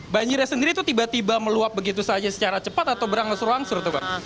banjirnya sendiri itu tiba tiba meluap begitu saja secara cepat atau berangsur angsur tuh pak